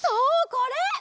これ！